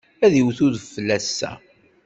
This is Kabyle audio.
Ad d-iwet udfel ass-a.